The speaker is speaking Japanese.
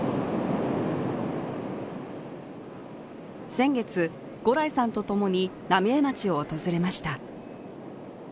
先月、牛来さんとともに浪江町を訪れました。